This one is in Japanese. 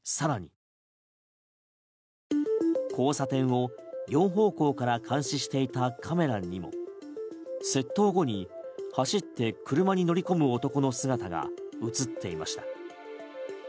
更に、交差点を両方向から監視していたカメラにも窃盗後に走って車に乗り込む男の姿が映っていました。